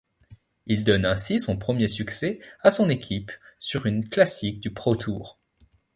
Il donne ainsi son premier succès à son équipe sur une classique du ProTour.